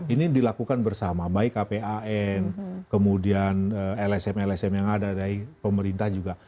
ini dilakukan bersama baik kpan kemudian lsm lsm yang ada dari pemerintah juga